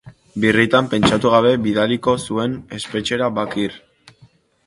Birritan pentsatu gabe bidaliko zuen espetxera Baakir.